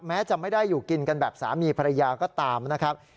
แม้จะไม่ได้อยู่กินกันแบบสามีภรรยาก็ตามนะครับ